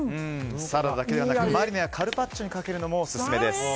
サラダだけではなくマリネやカルパッチョにかけるのもオススメです。